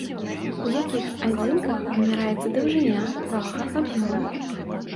У якіх адзінках вымяраецца даўжыня, вага, аб'ём?